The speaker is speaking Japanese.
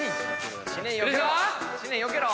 知念よけろ。